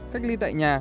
cách ly tại nhà